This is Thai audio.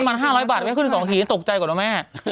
เติมน้ำมัน๕๐๐บาทไม่ขึ้นถึง๒ขีดตกใจกว่านะแม่